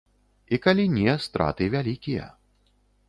І калі не, страты вялікія.